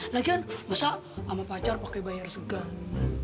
lagian masa sama pacar pakai bayar segar